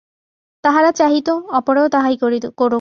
তাহারা চাহিত, অপরেও তাহাই করুক।